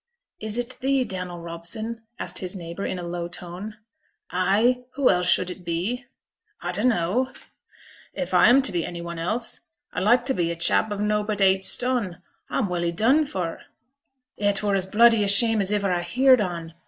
'Is it thee, Daniel Robson?' asked his neighbour, in a low tone. 'Ay! Who else should it be?' 'A dunno.' 'If a am to be any one else, I'd like to be a chap of nobbut eight stun. A'm welly done for!' 'It were as bloody a shame as iver I heerd on.